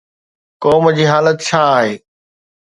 قوم جي حالت ڇا آهي؟